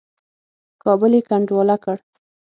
کابل یې کنډواله کړ.